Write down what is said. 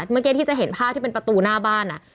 เมื่อกี้ที่จะเห็นภาพที่เป็นประตูหน้าบ้าน